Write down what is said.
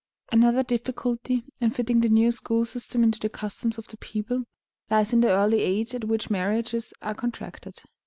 Another difficulty, in fitting the new school system into the customs of the people, lies in the early age at which marriages are contracted.